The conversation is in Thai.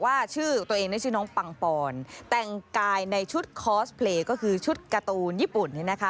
ก็จะบอกว่าชื่อตัวเองนี่ชื่อน้องปังปอนแต่งกายในชุดคอสเพลย์ก็คือชุดการ์ตูนญี่ปุ่นนะคะ